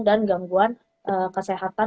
dan gangguan kesehatan